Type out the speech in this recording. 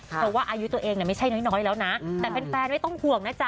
เพราะว่าอายุตัวเองไม่ใช่น้อยแล้วนะแต่แฟนไม่ต้องห่วงนะจ๊